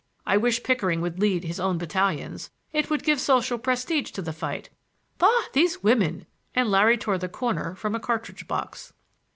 "I wish Pickering would lead his own battalions. It would give social prestige to the fight." "Bah, these women!" And Larry tore the corner from a cartridge box.